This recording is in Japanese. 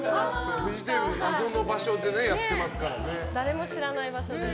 フジテレビの謎の場所でやってますからね。